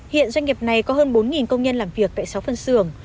hiện doanh nghiệp này có hơn bốn công nhân làm việc tại sáu phân xưởng